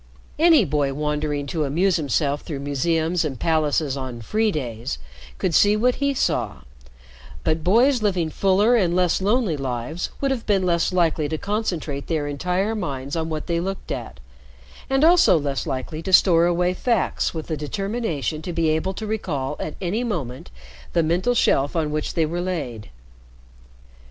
Any boy wandering to amuse himself through museums and palaces on "free days" could see what he saw, but boys living fuller and less lonely lives would have been less likely to concentrate their entire minds on what they looked at, and also less likely to store away facts with the determination to be able to recall at any moment the mental shelf on which they were laid.